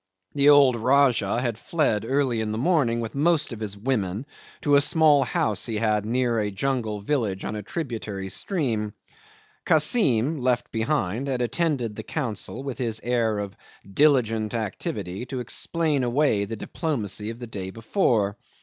The old Rajah had fled early in the morning with most of his women to a small house he had near a jungle village on a tributary stream. Kassim, left behind, had attended the council with his air of diligent activity to explain away the diplomacy of the day before.